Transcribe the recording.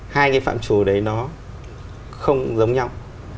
hai cái phạm chủ đấy nó không giống nhau